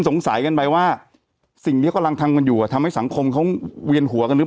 สงสัยกันไปว่าสิ่งนี้กำลังทำกันอยู่อ่ะทำให้สังคมเขาเวียนหัวกันหรือ